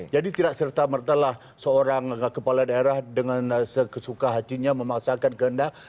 jadi tidak serta merta lah seorang kepala daerah dengan kesuka hatinya memaksakan kehendak